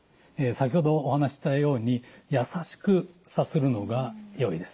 先ほどお話ししたようにやさしくさするのがよいです。